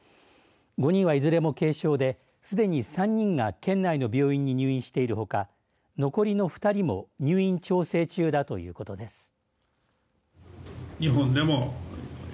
５人はいずれも軽症ですでに３人が県内の病院に入院しているほか残りの２人も入院調整中だということです。